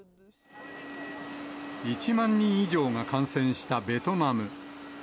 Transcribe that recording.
１万人以上が感染したベトナム。